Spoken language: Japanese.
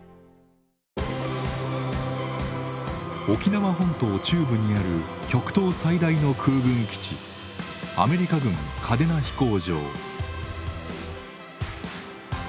沖縄本島中部にある極東最大の空軍基地アメリカ軍嘉手納飛行場。